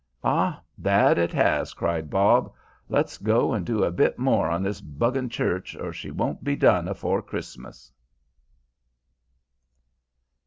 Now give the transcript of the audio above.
"Ah, that it has," cried Bob. "Let's go and do a bit more on this 'bugging church or she won't be done afore Christmas."